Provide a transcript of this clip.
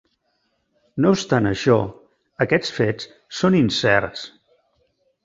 No obstant això, aquests fets són incerts.